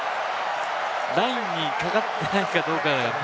ラインにかかってないか、どうかが。